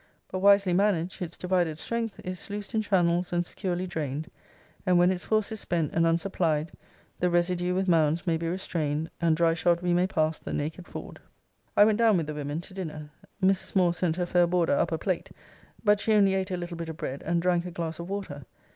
But, wisely manag'd, its divided strength Is sluic'd in channels, and securely drain'd: And when its force is spent, and unsupply'd, The residue with mounds may be restrain'd, And dry shod we may pass the naked ford. I went down with the women to dinner. Mrs. Moore sent her fair boarder up a plate, but she only ate a little bit of bread, and drank a glass of water.